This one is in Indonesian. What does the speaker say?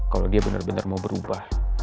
kalau dia bener bener mau berubah